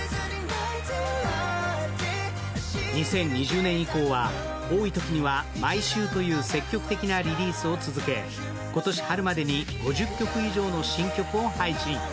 ２０２０年以降は多いときには毎週という積極的なリリースを続け、今年春までに５０曲以上の新曲を配信。